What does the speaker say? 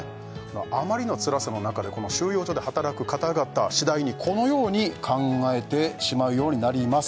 あまりのつらさの中でこの収容所で働く方々次第にこのように考えてしまうようになります